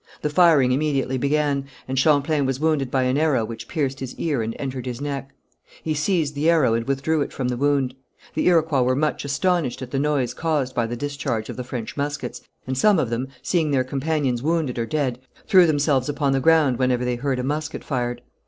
The firing immediately began, and Champlain was wounded by an arrow which pierced his ear and entered his neck. He seized the arrow and withdrew it from the wound. The Iroquois were much astonished at the noise caused by the discharge of the French muskets, and some of them, seeing their companions wounded or dead, threw themselves upon the ground whenever they, heard a musket fired.